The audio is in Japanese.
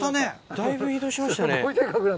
だいぶ移動しましたね。